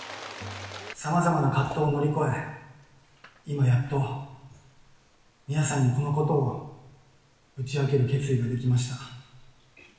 さまざまな葛藤を乗り越え、今やっと、皆さんにこのことを打ち明ける決意ができました。